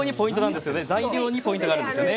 材料にポイントがあるんですよね。